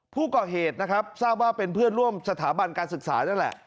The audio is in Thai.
ผู้ก่อเหตุนะครับทราบว่าเป็นเพื่อนร่วมสถาบันการศึกษานั่นแหละ